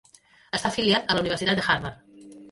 Està afiliat a la Universitat de Harvard.